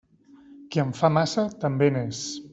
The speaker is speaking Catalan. Qui en fa massa, també n'és.